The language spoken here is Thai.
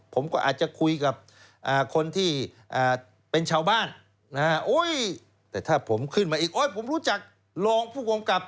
ผมก็อาจจะคุยกับคนที่เป็นชาวบ้านนะฮะแต่ถ้าผมขึ้นมาอีกโอ๊ยผมรู้จักรองผู้กำกับ